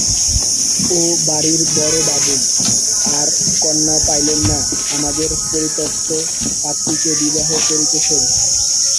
ও বাড়িরবড়োবাবু আর কন্যা পাইলেন না, আমাদেরই পরিত্যক্ত পাত্রীটিকে বিবাহ করিতেছেন।